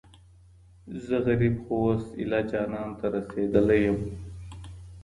زه غريب خو اوس ايـــلــه جــانـان ته رسېـدلى يـم